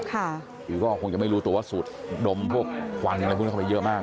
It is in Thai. ถ้าหนูมีคุณอำเจยคือพ่อคือแม่